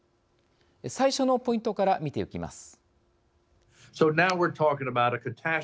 最初のポイントから見ていきます。